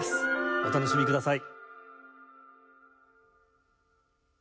お楽しみください。